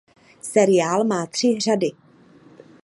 Seriál má tři řady.